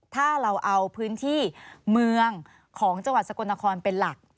ถ้าเราเอาพื้นที่เมืองของจังหวัดสกลนครเป็นหลัก